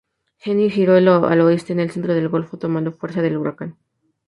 Jeanne giró al oeste en el centro del golfo, tomando fuerza de huracán.